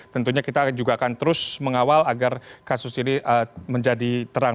tentunya kita juga akan terus mengawal agar kasus ini menjadi terang